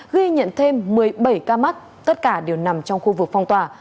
ghi nhận thêm một mươi bảy ca mắc tất cả đều nằm trong khu vực phong tỏa